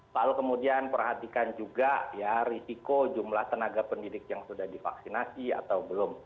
lalu kemudian perhatikan juga ya risiko jumlah tenaga pendidik yang sudah divaksinasi atau belum